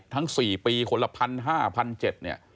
ทั้ง๔ปีคนละพันห้าพันเจ็ด